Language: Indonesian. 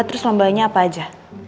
terus lambangnya apa aja